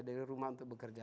dari rumah untuk bekerja